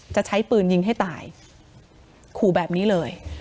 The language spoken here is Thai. จะใช้ปืนยิงให้ตายขู่แบบนี้เลย